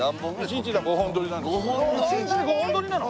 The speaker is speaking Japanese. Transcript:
１日に５本撮りなの！？